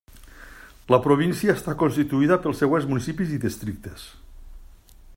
La província està constituïda pels següents municipis i districtes.